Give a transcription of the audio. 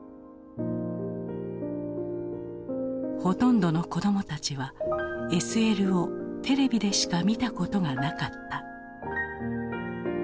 ほとんどの子どもたちはＳＬをテレビでしか見たことがなかった。